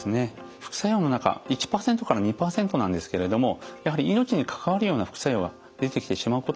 副作用の中１％から２％なんですけれどもやはり命に関わるような副作用が出てきてしまうことがあります。